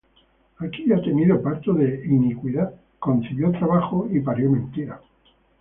He aquí ha tenido parto de iniquidad: Concibió trabajo, y parió mentira.